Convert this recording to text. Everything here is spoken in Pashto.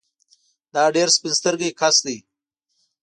دا ډېر سپين سترګی کس دی